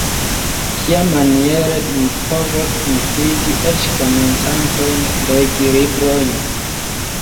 Kiamaniere mi povos instigi eĉ komencantojn legi librojn?